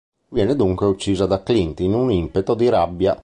Viene dunque uccisa da Clint in un impeto di rabbia.